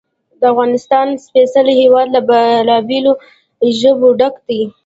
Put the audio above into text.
د افغانستان سپېڅلی هېواد له بېلابېلو ژبو ډک دی.